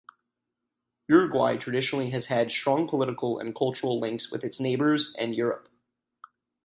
Uruguay traditionally has had strong political and cultural links with its neighbours and Europe.